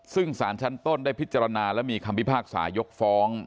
ซึ่งสารชั้นต้นได้พิจารณาและมีคำพิพากษายกฟ้อง